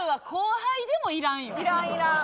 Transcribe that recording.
いらんいらん！